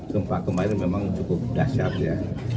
gempa kemarin memang cukup dahsyat ya